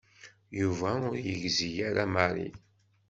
Yuba ur yegzi ara Mary.